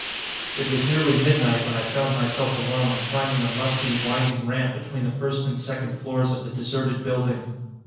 It was nearly midnight when I found myself alone, climbing a musty, winding ramp between the first and second floors of the deserted building.